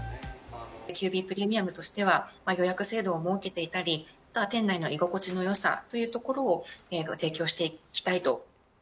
ＱＢＰＲＥＭＩＵＭとしては、予約制度を設けていたり、店内の居心地のよさというところを、提供していきたいと。